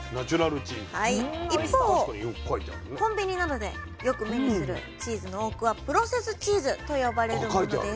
一方コンビニなどでよく目にするチーズの多くは「プロセスチーズ」と呼ばれるものです。